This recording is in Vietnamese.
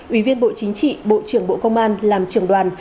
ủy viên bộ chính trị bộ trưởng bộ công an làm trưởng đoàn